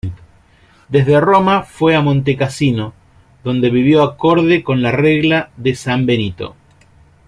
Desde Roma fue a Montecasino, donde vivió acorde con la Regla de San Benito.